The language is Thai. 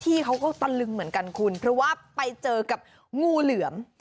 เขาก็ตะลึงเหมือนกันคุณเพราะว่าไปเจอกับงูเหลือม